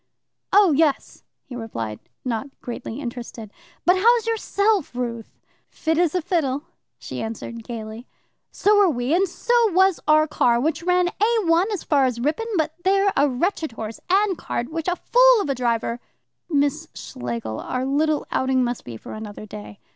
"Oh, yes," he replied, not greatly interested. "But how's yourself, Ruth?" "Fit as a fiddle," she answered gaily. "So are we and so was our car, which ran A 1 as far as Ripon, but there a wretched horse and cart which a fool of a driver " "Miss Schlegel, our little outing must be for another day."